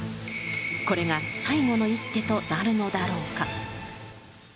これが最後の一手となるのだろうか。